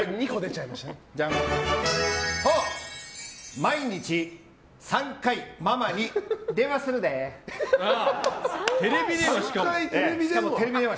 毎日３回ママに電話するでー。